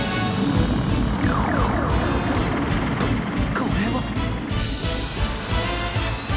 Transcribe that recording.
ここれは！？